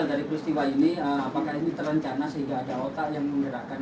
dari peristiwa ini apakah ini terencana sehingga ada otak yang menggerakkan